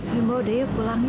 ya mbak udah ya pulang ya